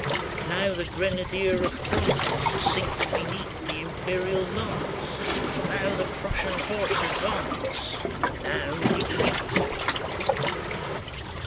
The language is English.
Now the grenadier of France Sinks beneath the Imperial lance; Now the Prussian horse advance, Now retreat.